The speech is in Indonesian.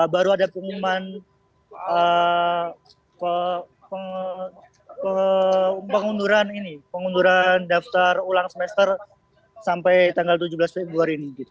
baru ada pengumuman ini pengunduran daftar ulang semester sampai tanggal tujuh belas februari ini